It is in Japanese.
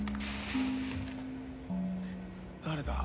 誰だ？